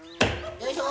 よいしょ。